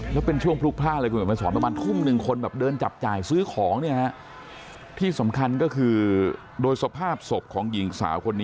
แล้วเป็นช่วงพลุกพล่าเลยคุณผู้หญิงมันสอนประมาณทุ่มหนึ่งคนแบบเดินจับจ่ายซื้อของเนี้ยฮะ